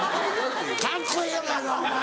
カッコええやないかお前。